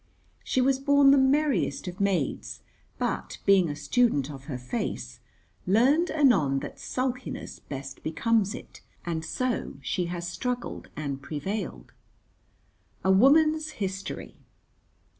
She was born the merriest of maids, but, being a student of her face, learned anon that sulkiness best becomes it, and so she has struggled and prevailed. A woman's history.